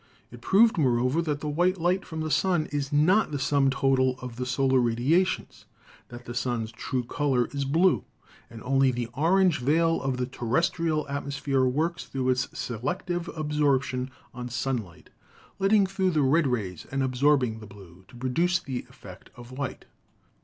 It proved, moreover, that the white light from the sun is not the sum total of the solar radiations — that the sun's true color is blue and only the orange veil of the terrestrial atmosphere works through its selective absorption on sunlight, letting through the red rays and absorbing the blue, to produce the effect of white.